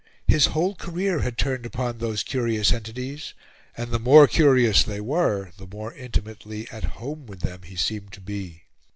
His whole career had turned upon those curious entities; and the more curious they were, the more intimately at home with them he seemed to be.